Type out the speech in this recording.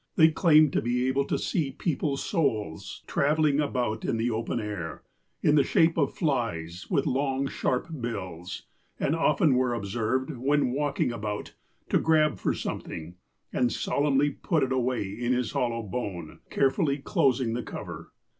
They claimed to be able to see peoples' souls travelling about in the open air, in the shape of flies, with long, sharp bills, and often were observed, when walk ing about, to grab for something, and solemnly put it away in this hollow bone, carefully closing the cover.